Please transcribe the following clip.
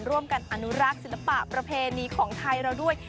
ร่วมกันอนุรักษ์ศิลปะประเพณีของไทยเราด้วย